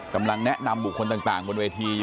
กำลังแนะนำบุคคลต่างบนเวทีอยู่